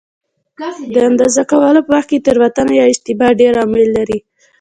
د اندازه کولو په وخت کې تېروتنه یا اشتباه ډېر عوامل لري.